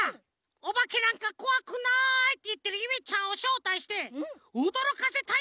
「おばけなんかこわくない！」っていってるゆめちゃんをしょうたいしておどろかせたいんだよね！